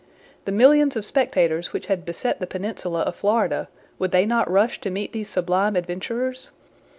The millions of spectators which had beset the peninsula of Florida, would they not rush to meet these sublime adventurers?